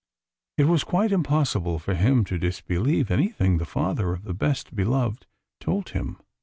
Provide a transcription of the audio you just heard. It was quite impossible for him to disbelieve anything the father of his Best Beloved told him.